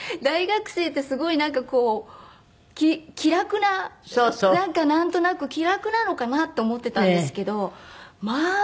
大学生ってすごいなんかこう気楽ななんかなんとなく気楽なのかなと思ってたんですけどまあ